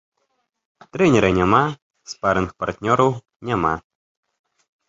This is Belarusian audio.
Трэнера няма, спарынг-партнёраў няма.